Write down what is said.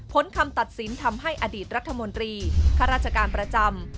คำตัดสินทำให้อดีตรัฐมนตรีข้าราชการประจำ